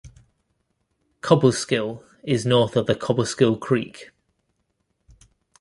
Cobleskill is north of the Cobleskill Creek.